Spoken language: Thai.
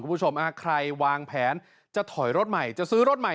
อ่ะฮะไหนวางแผนจะถอยรถใหม่จะซื้อรถใหม่